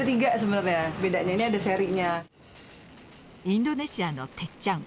インドネシアの鉄ちゃん